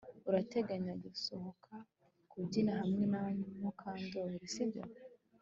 Urateganya gusohoka kubyina hamwe na Mukandoli sibyo